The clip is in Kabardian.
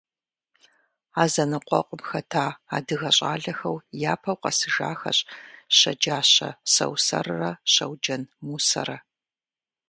А зэныкъуэкъум хэта адыгэ щӏалэхэу япэу къэсыжахэщ Щэджащэ Сэусэррэ Щэуджэн Мусэрэ.